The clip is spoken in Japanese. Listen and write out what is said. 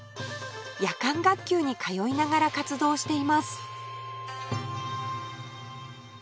夜間学級に通いながら活動しています